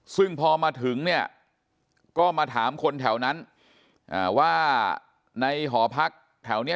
ซึ่งพอมาถึงเนี่ยก็มาถามคนแถวนั้นว่าในหอพักแถวนี้